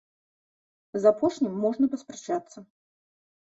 З апошнім можна паспрачацца.